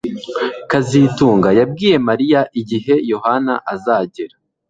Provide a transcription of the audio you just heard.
kazitunga yabwiye Mariya igihe Yohana azagera